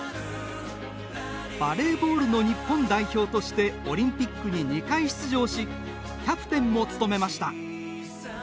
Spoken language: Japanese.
バレーボールの日本代表としてオリンピックに２回出場しキャプテンも務めました。